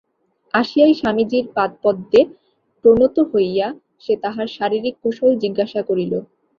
আসিয়াই স্বামীজীর পাদপদ্মে প্রণত হইয়া সে তাঁহার শারীরিক কুশল জিজ্ঞাসা করিল।